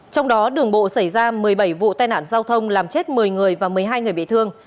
trong đó đường bộ xảy ra một mươi bảy vụ tai nạn giao thông làm chết một mươi người và một mươi hai người bị thương